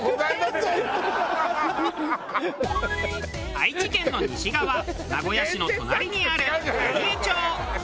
愛知県の西側名古屋市の隣にある蟹江町。